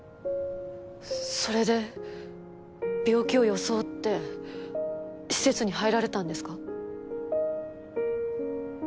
それで病気を装って施設に入られたんですか？